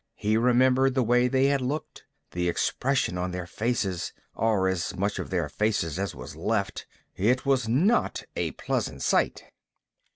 He remembered the way they had looked, the expression on their faces, or as much of their faces as was left. It had not been a pleasant sight.